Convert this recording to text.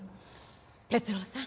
哲郎さん。